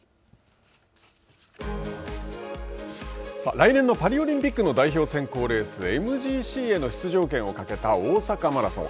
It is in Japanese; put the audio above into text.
来年のパリオリンピックの代表選考レースＭＧＣへの出場権をかけた大阪マラソン。